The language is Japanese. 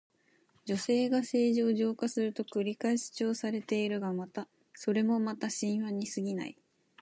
女性が政治を浄化すると繰り返し主張されているが、それもまた神話にすぎない。